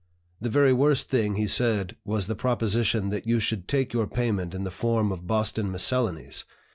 The very worst thing he said was the proposition that you should take your payment in the form of Boston Miscellanies!